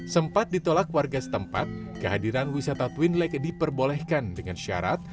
sempat ditolak warga setempat kehadiran wisata twin lake diperbolehkan dengan syarat